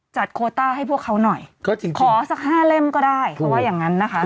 โคต้าให้พวกเขาหน่อยขอสักห้าเล่มก็ได้เขาว่าอย่างนั้นนะคะ